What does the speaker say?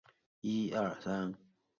他的玄孙赵昀是宋理宗。